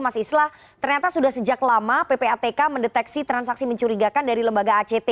mas islah ternyata sudah sejak lama ppatk mendeteksi transaksi mencurigakan dari lembaga act